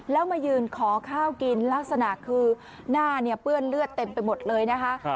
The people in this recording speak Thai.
แล้วมายืนขอข้าวกินลักษณะคือหน้าเปื้อนเลือดเต็มไปหมดเลยนะคะ